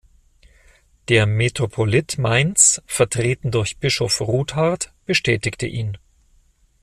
Der Metropolit Mainz, vertreten durch Bischof Ruthard, bestätigte ihn.